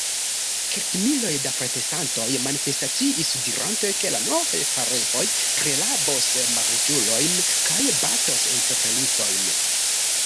Kelkmiloj da protestantoj manifestaciis, dirante, ke la novaj tarifoj prirabos malriĉulojn kaj batos entreprenistojn.